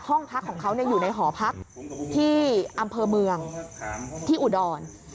ห้องพักของเขาอยู่ในหอพักที่อำเภอเมืองที่อุดร